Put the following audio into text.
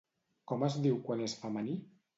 Com es diu quan és femení?